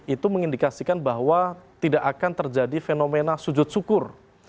itu mengindikasikan bahwa tidak akan terjadi fenomena sujud syukur